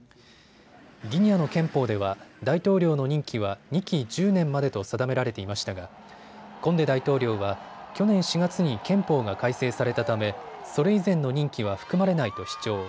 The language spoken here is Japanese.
ギニアの憲法では大統領の任期は２期１０年までと定められていましたがコンデ大統領は去年４月に憲法が改正されたためそれ以前の任期は含まれないと主張。